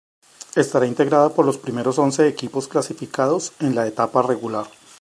Estará integrada por los primeros once equipos clasificados en la etapa regular.